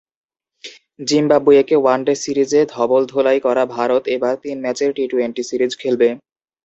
জিম্বাবুয়েকে one day সিরিজে ধবলধোলাই করা ভারত এবার তিন ম্যাচের টি-টোয়েন্টি সিরিজ খেলবে।